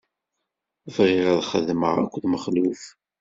Bɣiɣ ad txedmeḍ akked Mexluf.